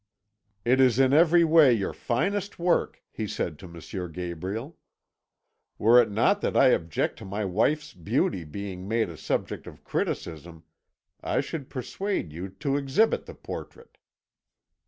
"'It is in every way your finest work,' he said to M. Gabriel. 'Were it not that I object to my wife's beauty being made a subject of criticism, I should persuade you to exhibit the portrait.'